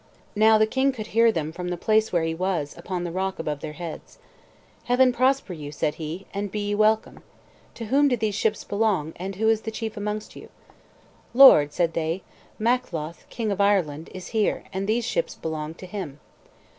Now the king could hear them from the place where he was upon the rock above their heads. "Heaven prosper you." said he, "and be ye welcome! To whom do these ships belong, and who is the chief amongst you?" "Lord," said they, "Matholch, king of Ireland, is here, and these ships belong to him."